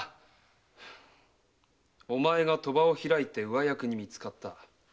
お前が賭場を開いて上役に見つかった。